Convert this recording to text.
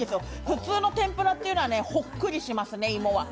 普通の天ぷらっていうのは、ほっくりしますね、芋は。